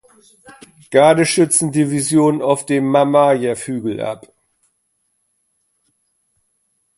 Gardeschützen-Division auf dem Mamajew-Hügel ab.